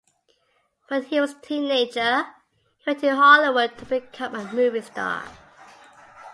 When he was a teenager he went to Hollywood to become a movie star.